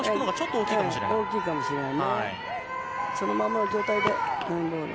大きいかもしれないね。